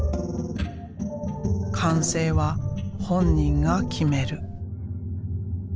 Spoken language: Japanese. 完成は本人が決める。